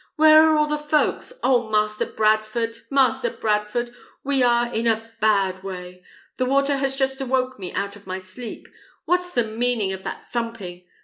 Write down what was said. "Where are all the folks? Oh, Master Bradford, Master Bradford! we are in a bad way! The water has just awoke me out of my sleep. What's the meaning of that thumping?